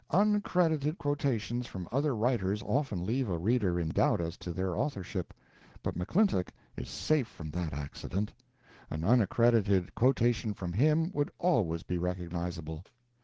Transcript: Uncredited quotations from other writers often leave a reader in doubt as to their authorship, but McClintock is safe from that accident; an uncredited quotation from him would always be recognizable.